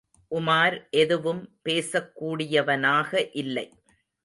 உமார் எதுவும் பேசக் கூடியவனாக இல்லை.